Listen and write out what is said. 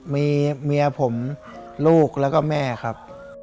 มีเมียผมลูกแล้วก็แม่ครับ